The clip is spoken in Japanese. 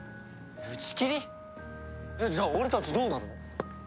じゃあ俺たちどうなるの？